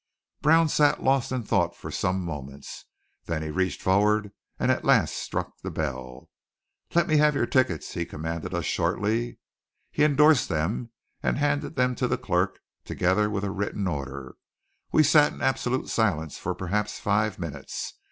Brown sat lost in thought for some moments. Then he reached forward and at last struck the bell. "Let me have your tickets," he commanded us shortly. He endorsed them and handed them to the clerk, together with a written order. We all sat in absolute silence for perhaps five minutes.